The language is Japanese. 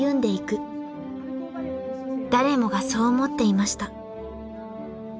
［誰もがそう思っていました］